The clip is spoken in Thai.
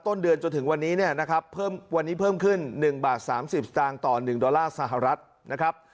ต้นเดือนจนถึงวันนี้เนี่ยนะครับเพิ่มวันนี้เพิ่มขึ้น๑บาท๓๐สตางค์ต่อ๑ดอลลาร์สหรัฐนะครับ